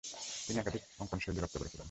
তিনি একাধিক অঙ্কনশৈলী রপ্ত করেছিলেন।